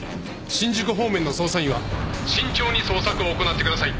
「新宿方面の捜査員は慎重に捜索を行ってください」